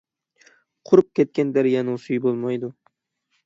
قۇرۇپ كەتكەن دەريانىڭ سۈيى بولمايدۇ.